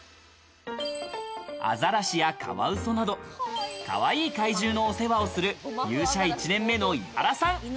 アザラシやカワウソなど、かわいい海獣のお世話をする入社１年目の井原さん。